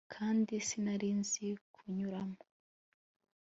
kandi sinari nzi kunyuramo